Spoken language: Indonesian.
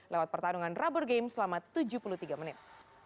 lewat pertarungan rubber game selama tujuh puluh tiga menit